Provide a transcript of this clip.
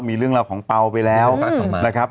มีเรื่องราวของเปล่าไปแล้วนะครับ